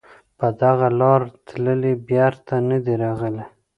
په دغه لاره تللي بېرته نه دي راغلي